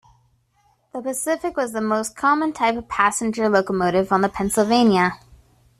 The Pacific was the most common type of passenger locomotive on the Pennsylvania.